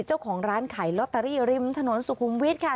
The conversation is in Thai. เจ้าของร้านขายลอตเตอรี่ริมถนนสุขุมวิทย์ค่ะ